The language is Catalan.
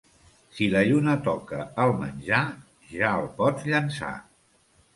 Si la lluna toca el menjar, ja el pots llençar.